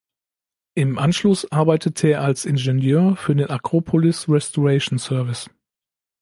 Im Anschluss arbeitete er als Ingenieur für den "Acropolis Restoration Service".